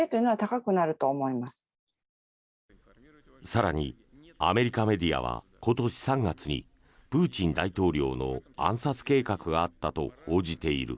更に、アメリカメディアは今年３月にプーチン大統領の暗殺計画があったと報じている。